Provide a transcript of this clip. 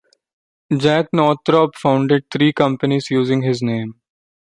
Jack Northrop founded three companies using his name.